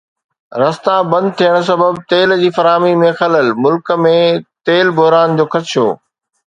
رستا بند ٿيڻ سبب تيل جي فراهمي ۾ خلل، ملڪ ۾ تيل بحران جو خدشو